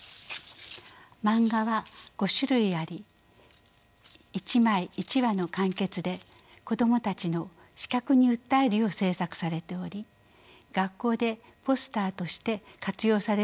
漫画は５種類あり１枚１話の完結で子どもたちの視覚に訴えるよう制作されており学校でポスターとして活用されることを期待しております。